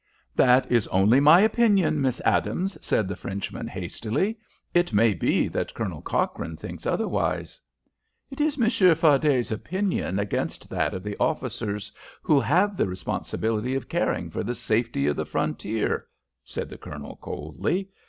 "That is only my opinion, Miss Adams," said the Frenchman, hastily. "It may be that Colonel Cochrane thinks otherwise." "It is Monsieur Fardet's opinion against that of the officers who have the responsibility of caring for the safety of the frontier," said the Colonel, coldly.